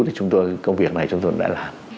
thì chúng tôi công việc này chúng tôi đã làm